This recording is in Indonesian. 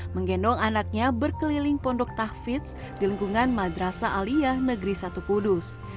menggendong anaknya berkeliling pondok tahfiz di lingkungan madrasa aliyah negeri satu kudus